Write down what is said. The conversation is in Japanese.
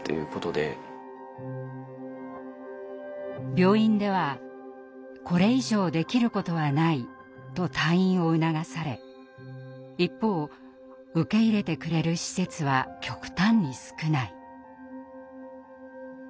病院では「これ以上できることはない」と退院を促され一方受け入れてくれる施設は極端に少ない。